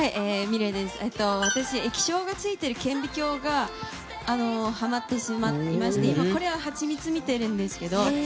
私、液晶がついている顕微鏡がハマってしまいましてこれはハチミツを見ているんですけど。